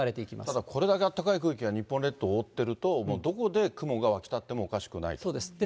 ただ、これだけ暖かい空気が日本列島を覆ってると、もうどこで雲が湧き立ってもおかしくないということですね。